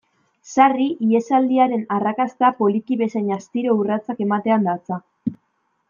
Sarri, ihesaldiaren arrakasta, poliki bezain astiro urratsak ematean datza.